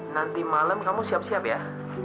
nanti malam kamu siap siap ya